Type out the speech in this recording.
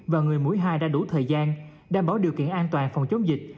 và người mũi hai đã đủ thời gian đảm bảo điều kiện an toàn phòng chống dịch